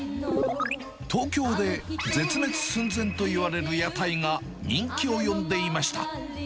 東京で絶滅寸前といわれる屋台が人気を呼んでいました。